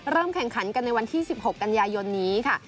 เริ่มแข่งขันกันในวันที่๑๖กันยายนนี้นะคะ